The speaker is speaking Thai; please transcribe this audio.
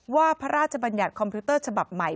พระราชบัญญัติคอมพิวเตอร์ฉบับใหม่